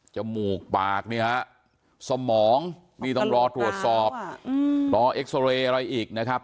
มูกปากเนี่ยฮะสมองนี่ต้องรอตรวจสอบรอเอ็กซอเรย์อะไรอีกนะครับ